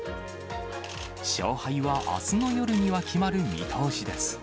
勝敗はあすの夜には決まる見通しです。